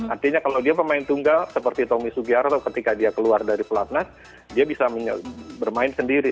artinya kalau dia pemain tunggal seperti tommy sugiarto ketika dia keluar dari pelatnas dia bisa bermain sendiri